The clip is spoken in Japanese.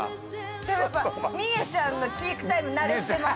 でもやっぱみえちゃんがチークタイム慣れしてます。